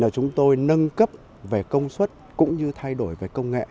chúng tôi nâng cấp về công suất cũng như thay đổi về công nghệ